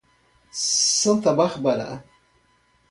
Santa Bárbara